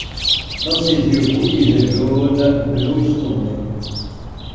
Dans ses yeux brouillés et jaunes, de l'eau sourdait.